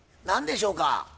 何でしょうか？